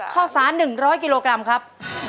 ข้าวสาร๑๐๐กิโลกรัมครับ